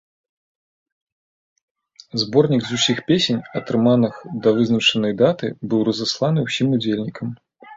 Зборнік з усіх песень, атрыманых да вызначанай даты, быў разасланы ўсім удзельнікам.